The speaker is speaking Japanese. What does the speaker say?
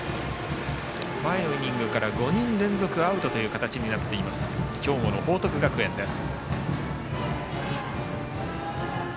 前のイニングから５人連続アウトという形になっている兵庫の報徳学園です。